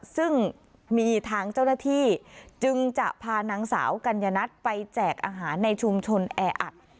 ซึ่งมีทางเจ้าหน้าที่จึงจะพานางสาวกัญญนัทไปแจกอาหารในชุมชนแออัด